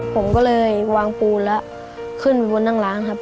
ผมก็เลยวางปูนแล้วขึ้นไปบนนั่งล้างครับ